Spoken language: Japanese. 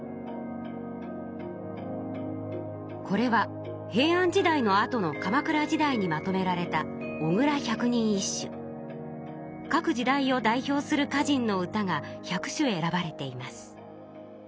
これは平安時代のあとの鎌倉時代にまとめられた各時代を代表する歌人の歌が１００首選ばれています。